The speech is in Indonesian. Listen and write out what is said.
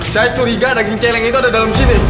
saya curiga daging celeng itu ada dalam sini